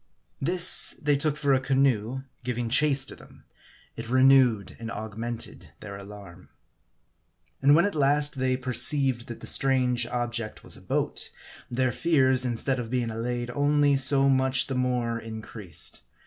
This they took for a canoe giving chase to them. It renewed and augmented their alarm. And when at last they perceived that the strange object was a boat, their fears, instead of being allayed, only so much the more increased.